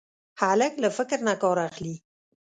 هلک له فکر نه کار اخلي.